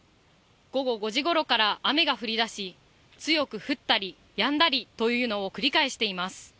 午後５時ごろから雨が降りだし、強く降ったり、やんだりというのを繰り返しています。